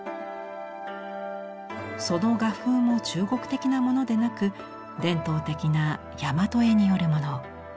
その画風も中国的なものでなく伝統的な大和絵によるもの。